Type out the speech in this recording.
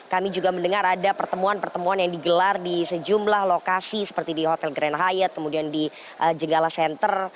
kami juga mendengar ada pertemuan pertemuan yang digelar di sejumlah lokasi seperti di hotel grand hyat kemudian di jenggala center